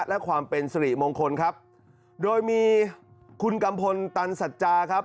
และความเป็นสิริมงคลครับโดยมีคุณกัมพลตันสัจจาครับ